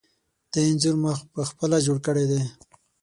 دا انځور ما پخپله جوړ کړی دی.